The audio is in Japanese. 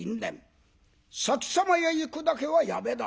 先様へ行くだけはやめなされ。